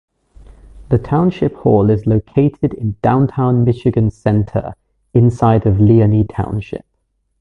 The township hall is located in downtown Michigan Center inside of Leoni Township.